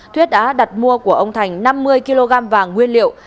thuyết đã đặt mua của ông thành năm mươi kg vàng nguyên liệu